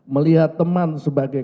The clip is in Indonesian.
melihat teman sebagai